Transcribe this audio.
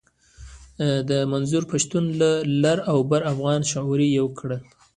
منظور پښتون لر او بر افغانان شعوري يو کړل.